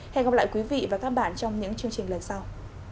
hẹn gặp lại quý vị và các bạn trong những chương trình lần sau